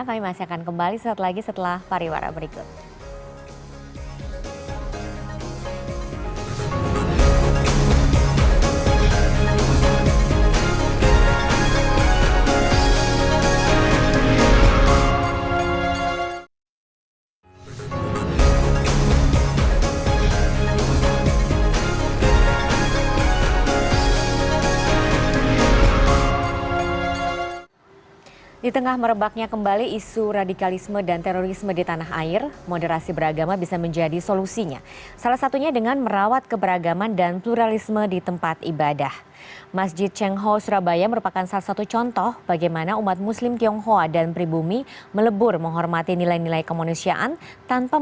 kami masih akan kembali sesuatu lagi setelah pariwara berikut